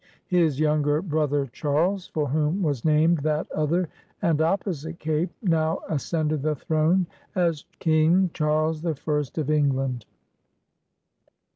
His younger brother Charles, for whom was named that other and opposite cape, now ascended the throne as King Charles the First of England.